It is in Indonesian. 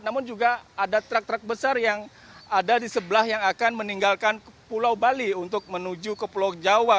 namun juga ada truk truk besar yang ada di sebelah yang akan meninggalkan pulau bali untuk menuju ke pulau jawa